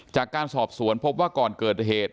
จากการสอบสวนพบว่าก่อนเกิดเหตุ